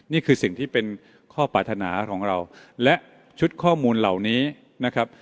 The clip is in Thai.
นี่คือสิ่งที่เป็นข้อปรารถนาของเราและชุดข้อมูลเหล่านี้นะครับ